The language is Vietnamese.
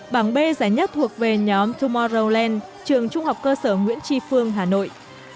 bảng b giải nhất thuộc về nhóm tomorrowland trường trung học cơ sở nguyễn tri phương hà nội